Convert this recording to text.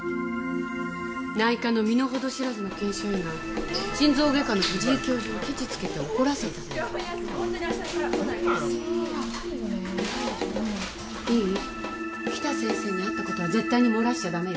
内科の身の程知らずの研修医が心臓外科の藤井教授にケチつけて怒らせたって北先生に会ったことは絶対にもらしちゃダメよ